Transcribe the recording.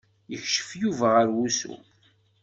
Yekcef Yuba ar wusu.